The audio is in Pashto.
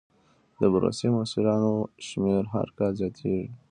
د بورسي محصلانو شمېر هر کال زیاتېږي.